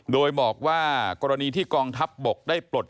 โดยบอกว่ากรณีที่กองทัพบกได้ปลด